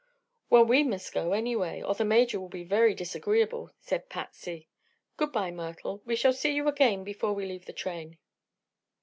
"Well, we must go, anyway, or the Major will be very disagreeable," said Patsy. "Good bye, Myrtle; we shall see you again before we leave the train."